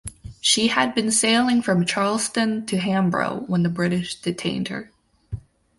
She had been sailing from Charleston to Hambro when the British detained her.